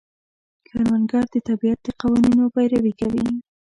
کروندګر د طبیعت د قوانینو پیروي کوي